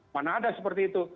mana ada seperti itu